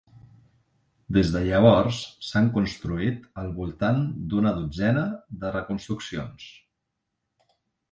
Des de llavors, s'han construït al voltant d'una dotzena de reconstruccions.